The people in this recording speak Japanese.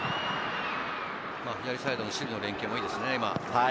左サイドの守備の連係もいいですね。